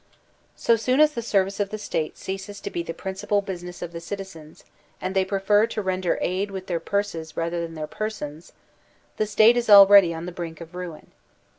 So soon as the service of the State ceases to be the principal business of the citizens, and they prefer to ren der aid with their purses rather than their persons, the State is already on the brink of ruin.